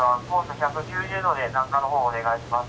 １９０度で南下の方お願いします」。